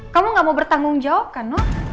kamu gak mau bertanggung jawab kan